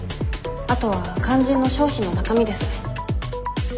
あとは肝心の商品の中身ですね。